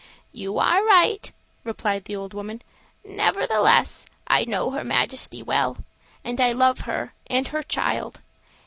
"You are right," replied the old woman. "Nevertheless I know her Majesty well, and I love her and her child.